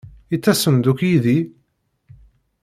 I tasem-d akk yid-i?